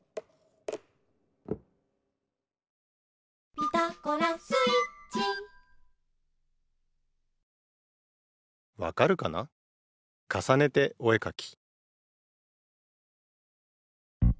「ピタゴラスイッチ」「わかるかな？かさねておえかき」